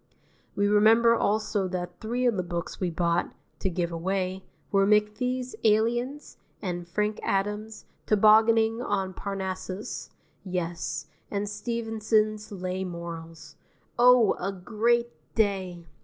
We remember also that three of the books we bought (to give away) were McFee's "Aliens" and Frank Adams's "Tobogganing on Parnassus," yes, and Stevenson's "Lay Morals." Oh, a great day!